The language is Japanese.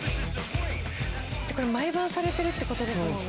だってこれ毎晩されてるってことですよね？